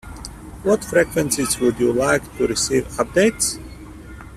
What frequencies would you like to receive updates?